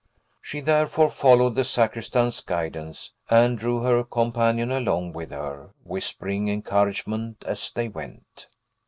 She therefore followed the sacristan's guidance, and drew her companion along with her, whispering encouragement as they went.